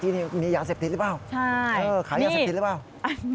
ที่นี่มียาเสพติดหรือเปล่าขายยาเสพติดหรือเปล่านี่ใช่